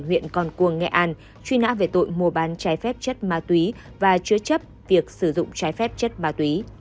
huyện con cuồng nghệ an truy nã về tội mua bán trái phép chất ma túy và chứa chấp việc sử dụng trái phép chất ma túy